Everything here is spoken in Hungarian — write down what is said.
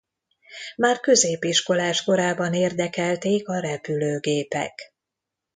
Már középiskolás korában érdekelték a repülőgépek.